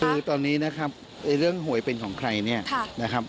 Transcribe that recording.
คือตอนนี้นะครับเรื่องหวยเป็นของใครเนี่ยนะครับ